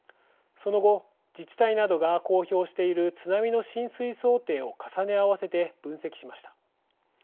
その後自治体などが公表している津波の浸水想定を重ね合わせて分析しました。